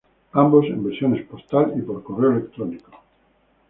Ambos en versiones postal y por correo electrónico.